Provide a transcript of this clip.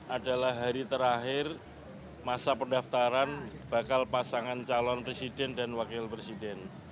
dua ribu dua puluh tiga adalah hari terakhir masa pendaftaran bakal pasangan calon presiden dan wakil presiden